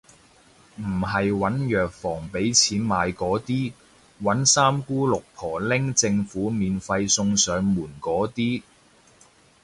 唔係搵藥房畀錢買嗰啲，搵三姑六婆拎政府免費送上門嗰啲